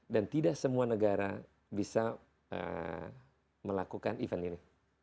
dan tidak semua negara bisa melakukan event ini